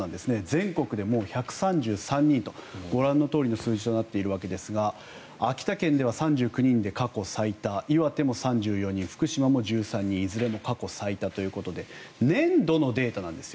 全国でもう１３３人とご覧のとおりの数字となっているわけですが秋田県では３９人で過去最多岩手も３４人、福島も１３人いずれも過去最多ということで年度のデータなんです。